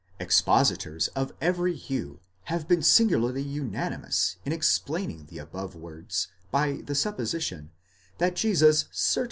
Expositors of every hue have been singularly unani mous in explaining the above words by the supposition, that Jesus certainly 5 Paulus, L.